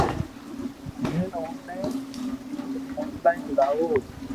ھين اوني اونلائي لاوو